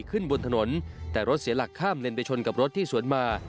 ขึ้นบนถนนแต่รถเสียหลักข้ามเลนไปชนกับรถที่สวนมา